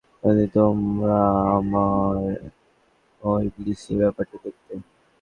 সালাত শেষ করে তিনি বললেনঃ যদি তোমরা আমার ও ইবলীসের ব্যাপারটি দেখতে!